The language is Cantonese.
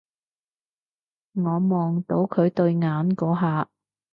我望到佢對眼嗰下